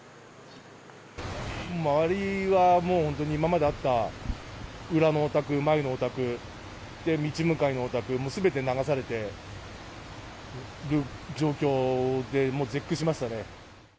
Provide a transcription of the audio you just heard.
周りはもう本当に、今まであった裏のお宅、前のお宅、道向かいのお宅、すべて流されてる状況で、もう絶句しましたね。